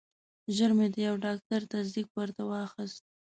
ژر مې د یو ډاکټر تصدیق ورته واخیست.